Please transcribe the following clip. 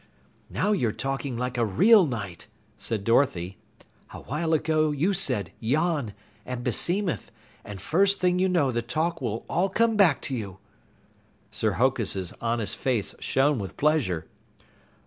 "Now you're talking like a real Knight," said Dorothy. "A while ago you said, 'Yon' and 'beseemeth,' and first thing you know the talk will all come back to you." Sir Hokus' honest face shone with pleasure.